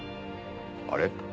あれ？